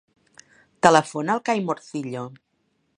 Telefona al Cai Morcillo.